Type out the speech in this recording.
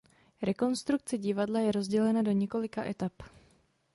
Rekonstrukce divadla je rozdělena do několika etap.